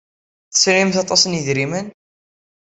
Tesrimt aṭas n yidrimen?